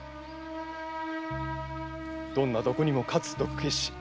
どんな毒にも勝つ毒消し。